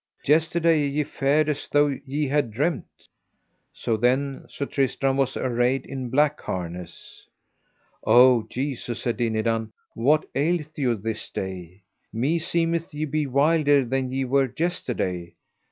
yesterday ye fared as though ye had dreamed. So then Sir Tristram was arrayed in black harness. O Jesu, said Dinadan, what aileth you this day? meseemeth ye be wilder than ye were yesterday.